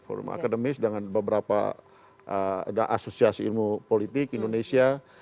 forum akademis dengan beberapa asosiasi ilmu politik indonesia